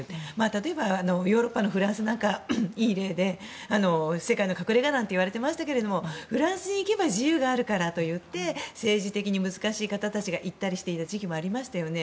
例えばヨーロッパのフランスなんかはいい例で、世界の隠れ家なんて言われていますがフランスに行けば自由があるからといって政治的に難しい方たちが行っていた時期もありましたよね。